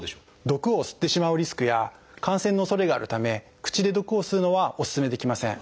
毒を吸ってしまうリスクや感染のおそれがあるため口で毒を吸うのはおすすめできません。